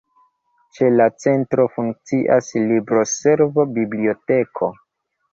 Ĉe la Centro funkcias libroservo, biblioteko.